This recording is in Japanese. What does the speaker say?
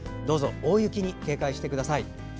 どうぞ大雪に警戒してください。